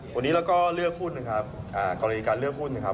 วันนี้เราก็เรียกคุ้นครับ